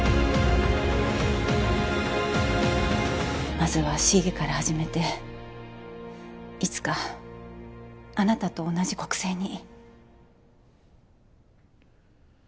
まずは市議から始めていつかあなたと同じ国政に。